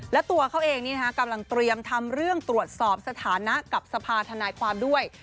และตัวเขาเองกำลังเตรียมทำเรื่องตรวจสอบสถานะกับสภาธนายความด้วย